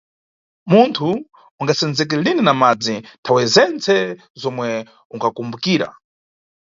Munthu unagasenzeke lini na madzi nthawe zentse zomwe unikumbukira.